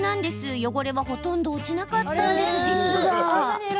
汚れはほとんど落ちなかったんです。